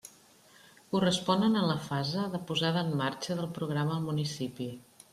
Corresponen a la fase de posada en marxa del programa al municipi.